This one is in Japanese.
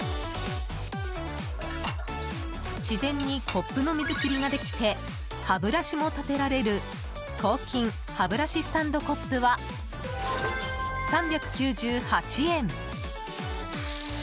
自然にコップの水切りができて歯ブラシも立てられる抗菌歯ブラシスタンドコップは３９８円。